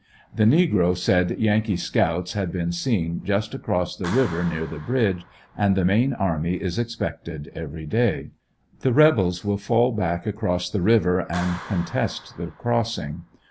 The negro said yan kee scouts had been seen just across the river near the bridge, and the main army is expected every day. The rebels will fall back across the river and contest the crossing.